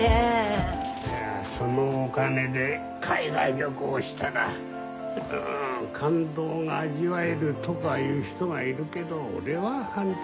いやそのお金で海外旅行したら感動が味わえるとかいう人がいるけど俺は反対だ。